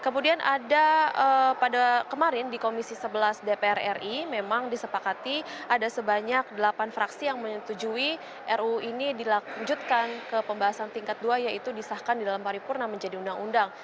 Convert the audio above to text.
kemudian ada pada kemarin di komisi sebelas dpr ri memang disepakati ada sebanyak delapan fraksi yang menyetujui ruu ini dilanjutkan ke pembahasan tingkat dua yaitu disahkan di dalam paripurna menjadi undang undang